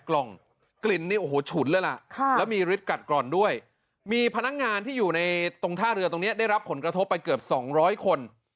กล่องกลิ่นนี่โอ้โหฉุนเลยล่ะแล้วมีฤทธิกัดกร่อนด้วยมีพนักงานที่อยู่ในตรงท่าเรือตรงนี้ได้รับผลกระทบไปเกือบ๒๐๐คน